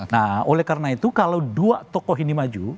nah oleh karena itu kalau dua tokoh ini maju